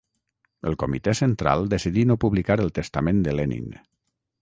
El Comitè Central decidí no publicar el Testament de Lenin.